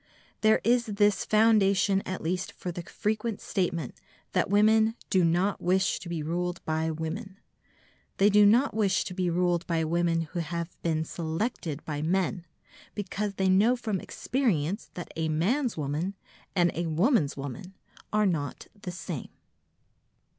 There is this foundation at least for the frequent statement that women "do not wish to be ruled by women." They do not wish to be ruled by women who have been selected by men, because they know from experience that a man's woman and a woman's woman are not the same.